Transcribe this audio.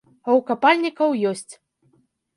А ў капальнікаў ёсць.